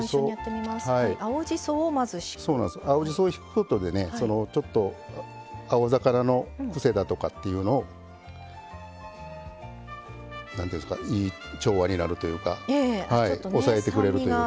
青じそを敷くことでちょっと青魚の癖だとかっていうのを調和になるというか抑えてくれるというか。